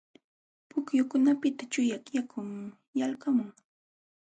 Pukyukunapiqta chuyaq yakun yalqamun.